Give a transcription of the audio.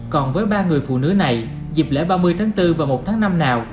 còn với ba người phụ nữ này dịp lễ ba mươi tháng bốn và một tháng năm nào